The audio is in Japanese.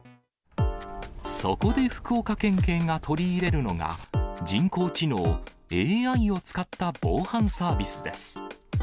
そこで福岡県警が取り入れるのが、人工知能・ＡＩを使った防犯サービスです。